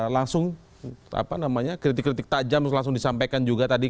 langsung kritik kritik tajam langsung disampaikan juga tadi